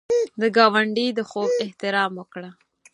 د ګاونډي د خوب احترام وکړه